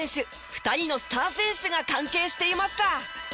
２人のスター選手が関係していました。